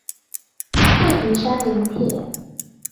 太平山林鐵